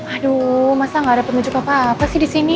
aduh masa gak ada pemicu apa apa sih di sini